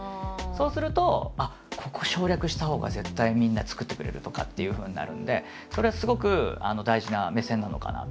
そうするとここ省略したほうが絶対みんな作ってくれるとかっていうふうになるんでそれはすごく大事な目線なのかなっていうふうには思ってますね。